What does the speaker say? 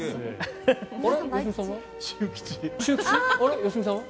良純さんは？